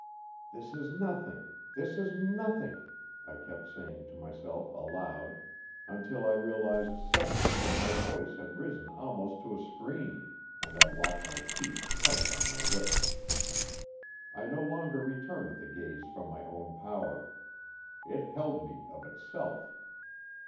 "This is nothing, this is nothing," I kept saying to myself aloud until I realized suddenly that my voice had risen almost to a scream, and I locked my teeth tight on my lip. I no longer returned the gaze from my own power; it held me of itself.